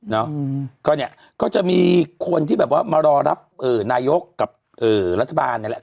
เนาะก็เนี่ยก็จะมีคนที่แบบว่ามารอรับนายกกับรัฐบาลนี่แหละ